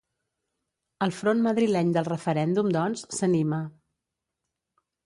El front madrileny del referèndum, doncs, s’anima.